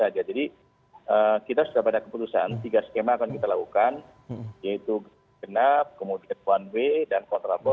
jadi kita sudah pada keputusan tiga skema akan kita lakukan yaitu genap kemudian runway dan kontrapor